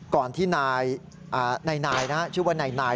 ก่อนที่นายนะชื่อว่านาย